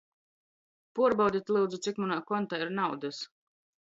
Puorbaudit, lyudzu, cik munā kontā ir naudys!